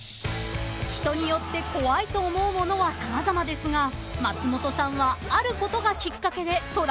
［人によって怖いと思うものは様々ですが松本さんはあることがきっかけでトラウマになったものが］